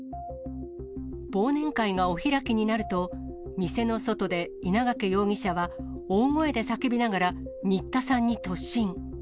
忘年会がお開きになると、店の外で稲掛容疑者は、大声で叫びながら、新田さんに突進。